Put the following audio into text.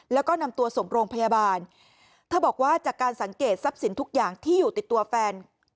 แล้วก็นำตัวส่งโรงพยาบาลเธอบอกว่าจากการสังเกตทรัพย์สินทุกอย่างที่อยู่ติดตัวแฟน